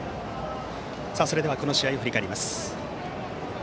それではこの試合を振り返ります。